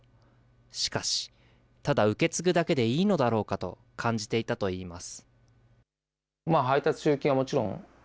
しかし、ただ受け継ぐだけでいいのだろうかと感じていたといいます。